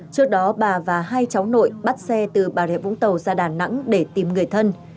trước đó bà và hai cháu nội bắt xe từ bà rịa vũng tàu ra đà nẵng để tìm người thân